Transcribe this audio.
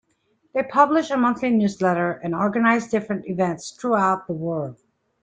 They publish a monthly newsletter and organise different events throughout the world.